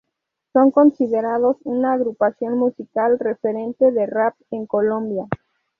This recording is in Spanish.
Son considerados una agrupación musical referente de rap en Colombia.